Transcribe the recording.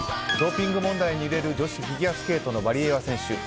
ドーピング問題に揺れる女子フィギュアスケートのワリエワ選手。